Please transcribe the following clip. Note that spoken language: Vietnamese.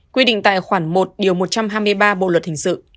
quy định tại khoảng một một trăm hai mươi ba bộ luật hình sự